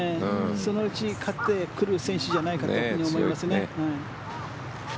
そのうち勝ってくる選手じゃないかと思っていますね。